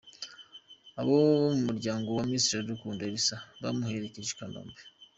Abo mu muryango wa Miss Iradukunda Elsa bamuherekeje i Kanombe.